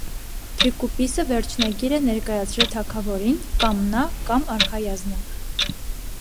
Տրիկուպիսը վերջնագիր է ներկայացրել թագավորին՝ կա՛մ նա, կա՛մ արքայազնը։